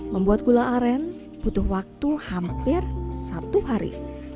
membuat gula aren butuh waktu hampir satu hari